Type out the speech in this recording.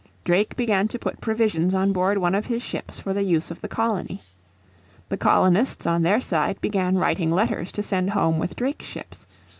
Drake began to put provisions on board one of his ships for the use of the colony. The colonists on their side began writing letters to send home with Drake's ships.